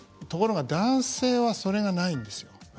ところが男性はそれがないんですよ。